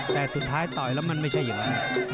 แต่สุดท้ายต่อยแล้วมันไม่ใช่อย่างนั้น